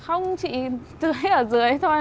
không chỉ tưới ở dưới thôi